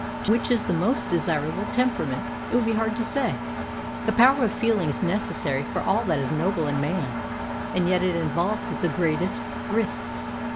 Which is the most desirable temperament? It would be hard to say. The power of feeling is necessary for all that is noble in man, and yet it involves the greatest risks.